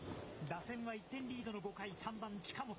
打線は１点リードの５回、３番近本。